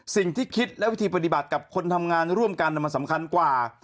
คิดและวิธีปฏิบัติกับคนทำงานร่วมกันมันสำคัญกว่า